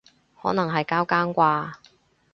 可能係交更啩